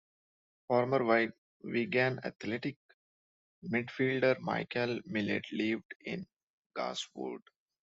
Former Wigan Athletic midfielder Michael Millett lived in Garswood.